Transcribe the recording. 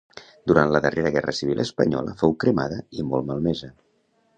Durant la darrera guerra civil espanyola fou cremada i molt malmesa.